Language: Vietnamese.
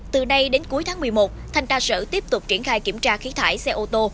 từ nay đến cuối tháng một mươi một thanh tra sở tiếp tục triển khai kiểm tra khí thải xe ô tô